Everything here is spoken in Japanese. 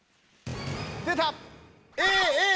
出た！